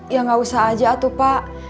ya gak usah aja atuh pak